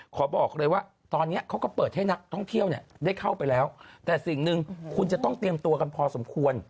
ขอบอกเลยว่าตอนนี้เขาก็เปิดให้นักท่องเที่ยวเนี่ยได้เข้าไปแล้วแต่สิ่งหนึ่งคุณจะต้องเตรียมตัวกันพอสมควร